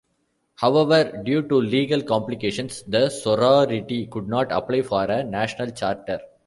However, due to legal complications, the sorority could not apply for a national charter.